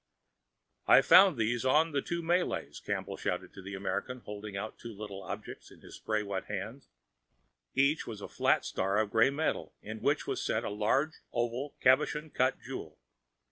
"I found these on the two Malays," Campbell shouted to the American, holding out two little objects in his spray wet hand. Each was a flat star of gray metal in which was set a large oval, cabochon cut jewel.